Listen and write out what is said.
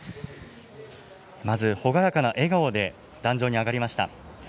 まず朗らかな笑顔で壇上に上がりました。